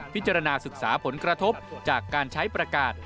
พิจารณาศึกษาผลกระทบจากการใช้ประกาศ